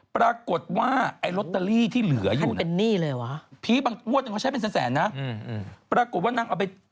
ปรากฏว่าไอ้ลอตเตอรี่ที่เหลืออยู่บางงวดหนึ่งเขาใช้เป็นแสนแสนนะปรากฏว่านางเอาไป